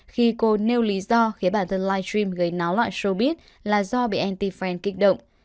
khi cô nêu lý do khiến bản thân livestream gây náo loại showbiz là do bị anti fan kích động